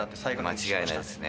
間違いないですね。